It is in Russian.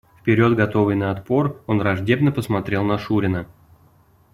Вперед готовый на отпор, он враждебно посмотрел на шурина.